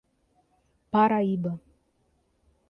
Paraíba